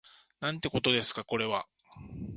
なんてことですかこれは